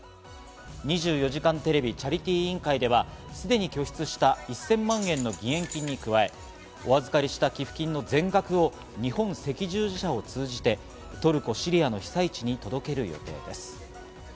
２４時間テレビチャリティー委員会では、すでに拠出した１０００万円の義援金に加え、お預かりした寄付金の全額を日本赤十字社を通じてトルコ・シリアの被災地に届ける予定です。